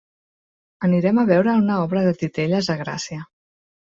Anirem a veure una obra de titelles a Gràcia.